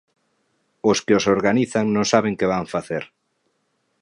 Os que os organizan non saben que van facer.